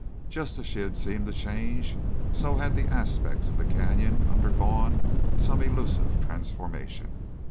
Just as she had seemed to change, so had the aspects of the canyon undergone some illusive transformation.